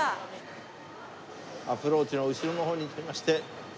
アプローチの後ろの方に行きまして。